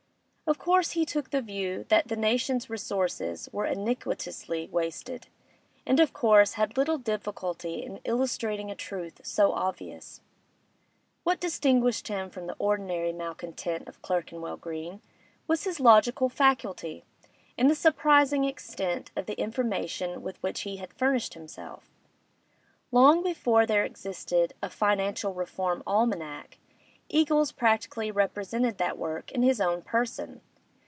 Of course he took the view that the nation's resources were iniquitously wasted, and of course had little difficulty in illustrating a truth so obvious; what distinguished him from the ordinary malcontent of Clerkenwell Green was his logical faculty and the surprising extent of the information with which he had furnished himself. Long before there existed a 'Financial Reform Almanack,' Eagles practically represented that work in his own person.